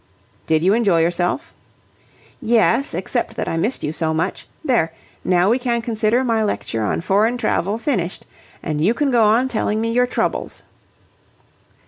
"Did you enjoy yourself?" "Yes, except that I missed you so much. There! Now we can consider my lecture on foreign travel finished, and you can go on telling me your troubles."